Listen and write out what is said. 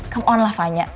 come on lah fanya